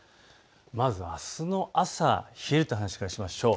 まずあすの朝、冷えるという話をしましょう。